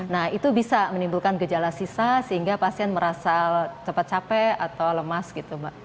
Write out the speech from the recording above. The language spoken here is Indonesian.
nah itu bisa menimbulkan gejala sisa sehingga pasien merasa cepat capek atau lemas gitu mbak